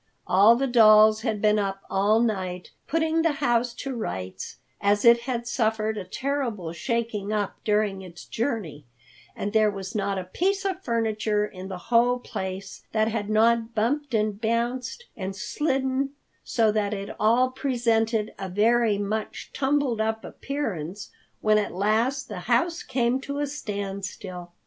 All the dolls had been up all night, putting the house to rights, as it had suffered a terrible shaking up during its journey, and there was not a piece of furniture in the whole place that had not bumped and bounced and slidden, so that it all presented a very much tumbled up appearance when at last the house came to a standstill.